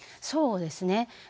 そうですね。